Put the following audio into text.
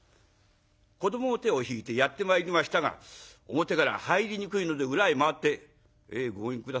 子どもの手を引いてやってまいりましたが表からは入りにくいので裏へ回って。